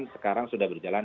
sekarang sudah berjalan